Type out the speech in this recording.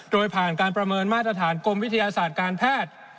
โดยผ่านการประเมินมาตรฐานกรมวิทยาศาสตร์การแพทย์